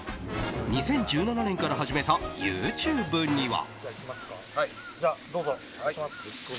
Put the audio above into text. ２０１７年から始めたＹｏｕＴｕｂｅには。